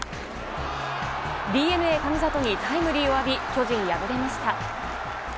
ＤｅＮＡ、神里にタイムリーを浴び巨人、敗れました。